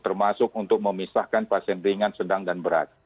termasuk untuk memisahkan pasien ringan sedang dan berat